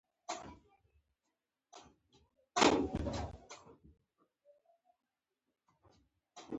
وړتیا خپله د انسان ارزښت څرګندوي.